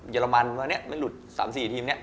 เยอรมันเมื่อนี้ไม่หลุด๓๔ทีมเนี่ย